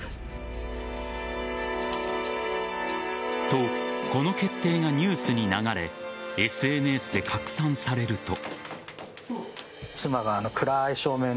と、この決定がニュースに流れＳＮＳで拡散されると。